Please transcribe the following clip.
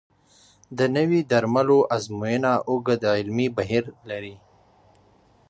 د نوي درملو ازموینه اوږد علمي بهیر لري.